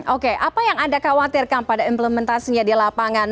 oke apa yang anda khawatirkan pada implementasinya di lapangan